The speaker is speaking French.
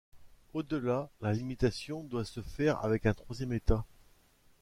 Au delà, la limitation doit se faire avec un troisième État.